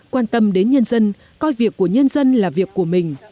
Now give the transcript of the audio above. quan tâm đến nhân dân coi việc của nhân dân là việc của mình